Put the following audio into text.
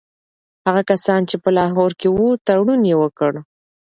هغه کسان چي په لاهور کي وو تړون یې وکړ.